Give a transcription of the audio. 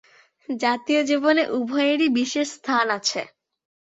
জাতীয় জীবনে উভয়েরই বিশেষ স্থান আছে।